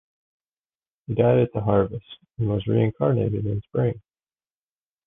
He died at the harvest and was reincarnated in the spring.